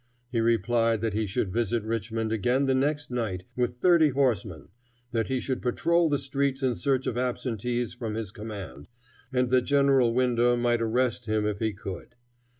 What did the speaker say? He replied that he should visit Richmond again the next night, with thirty horsemen; that he should patrol the streets in search of absentees from his command; and that General Winder might arrest him if he could.